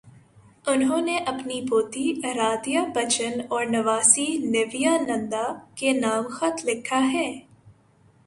انہوں نے اپنی پوتی ارادھیابچن اور نواسی نیویا ننداکے نام خط لکھا ہے۔